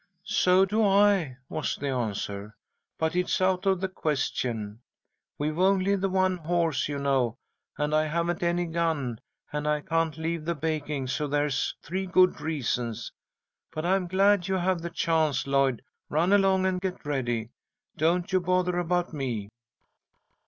"So do I," was the answer; "but it's out of the question. We've only the one horse, you know, and I haven't any gun, and I can't leave the baking, so there's three good reasons. But I'm glad you have the chance, Lloyd. Run along and get ready. Don't you bother about me."